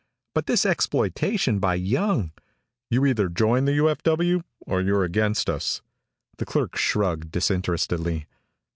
But this exploitation by Young " "You either join the U.F.W., or you're against us." The clerk shrugged disinterestedly.